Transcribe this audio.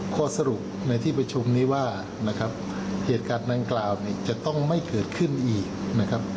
ข้อสรุปในที่ประชุมนี้ว่าเหตุการณ์นางกล่าวนี้จะต้องไม่เกิดขึ้นอีก